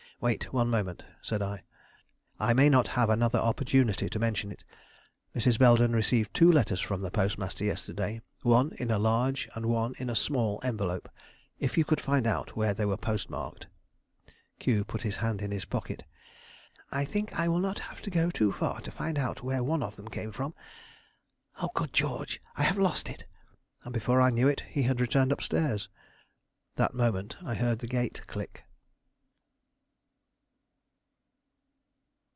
"Wait one moment," said I. "I may not have another opportunity to mention it. Mrs. Belden received two letters from the postmaster yesterday; one in a large and one in a small envelope; if you could find out where they were postmarked " Q put his hand in his pocket. "I think I will not have to go far to find out where one of them came from. Good George, I have lost it!" And before I knew it, he had returned up stairs. That moment I heard the gate click.